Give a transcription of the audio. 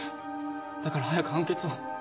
だから早く判決を。